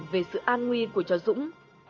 về sự an nguy của cháu dũng